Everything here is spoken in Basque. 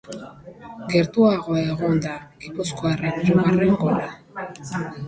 Gertuago egon da gipuzkoarren hirugarren gola.